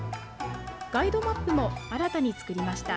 ガイドマップも新たに作りました。